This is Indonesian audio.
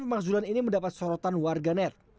pemakzulan ini mendapat sorotan warga net